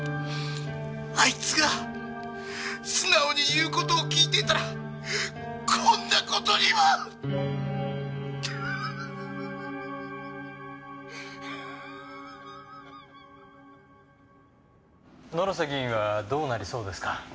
あいつが素直に言う事を聞いていたらこんな事には！野呂瀬議員はどうなりそうですか？